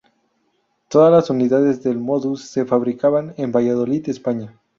Todas las unidades del Modus se fabricaban en Valladolid, España.